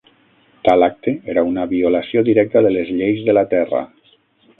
Tal acte era una violació directa de les lleis de la terra.